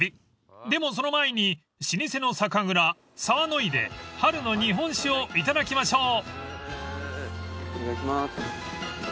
［でもその前に老舗の酒蔵澤乃井で春の日本酒をいただきましょう］